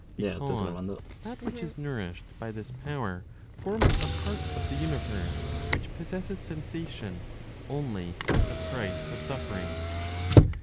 Because that which is nourished by this power forms a part of the universe, which possesses sensation only at the price of "suffering."